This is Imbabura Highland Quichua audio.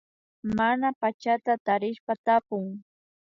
Mana pachata tarishpa tapun